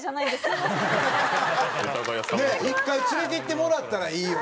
ねえ１回連れて行ってもらったらいいよ。